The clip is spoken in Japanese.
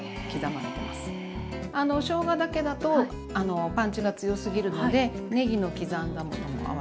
しょうがだけだとパンチが強すぎるのでねぎの刻んだものも合わせて。